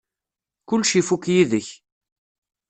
Kullec ifuk yid-k.